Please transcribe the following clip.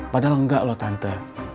padahal enggak loh tante